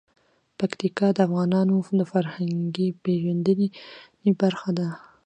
پکتیکا د افغانانو د فرهنګي پیژندنې برخه ده.